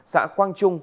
xã quang trung